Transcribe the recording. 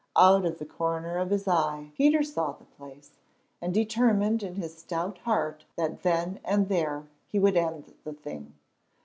Out of the corner of his eye Peter saw the place, and determined in his stout heart that then and there he would end the thing.